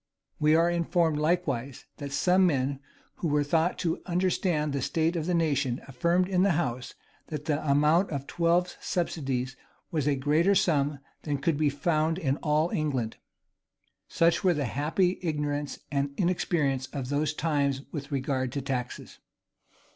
[*] We are informed likewise, that some men, who were thought to understand the state of the nation, affirmed in the house, that the amount of twelve subsidies was a greater sum than could be found in all England: such were the happy ignorance and inexperience of those times with regard to taxes.